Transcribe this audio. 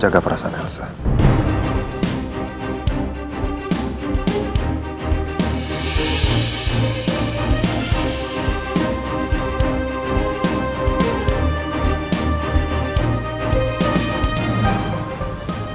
jangan lupa untuk berlangganan